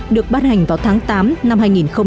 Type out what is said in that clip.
được ban hành vào tháng tám năm hai nghìn một mươi chín